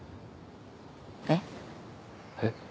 えっ？えっ。